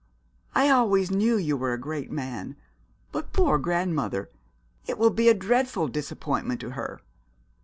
'I always knew you were a great man. But poor grandmother! It will be a dreadful disappointment to her.'